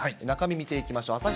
中身、見ていきましょう。